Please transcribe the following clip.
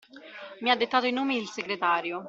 Mi ha dettato i nomi il segretario.